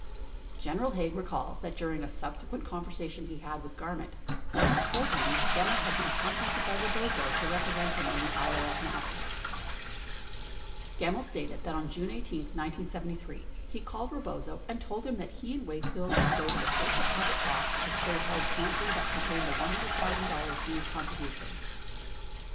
59 General Haig recalls that during a subsequent conversation he had with Gar ment, Garment had told him Gemmill had been contacted by Rebozo to represent him in the IRS matter. 60 Gemmill stated that on June 18, 1973, he called Rebozo and told him that he and Wakefield should go to the safe deposit box which they held jointly that contained the $100,000 Hughes contribution.